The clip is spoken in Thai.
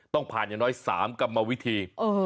ต้องผ่านอย่างน้อย๓กรรมวิธี